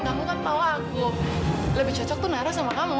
kamu kan tahu aku lebih cocok tuh nara sama kamu